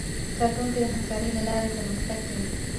کارکوونکي د همکارۍ له لارې پرمختګ کوي